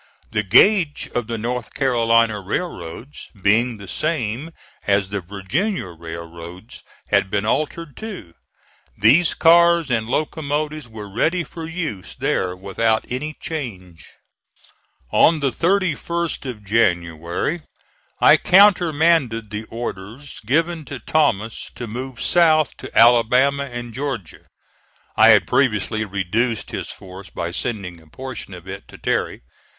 The gauge of the North Carolina railroads being the same as the Virginia railroads had been altered too; these cars and locomotives were ready for use there without any change. On the 31st of January I countermanded the orders given to Thomas to move south to Alabama and Georgia. (I had previously reduced his force by sending a portion of it to Terry.)